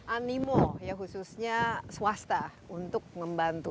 animo ya khususnya swasta untuk membantu